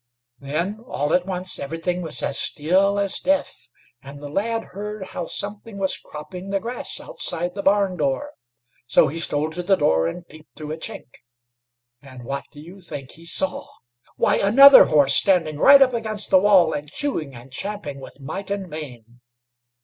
Then all at once everything was as still as death, and the lad heard how something was cropping the grass outside the barn door, so he stole to the door, and peeped through a chink; and what do you think he saw? Why, another horse standing right up against the wall, and chewing and champing with might and main.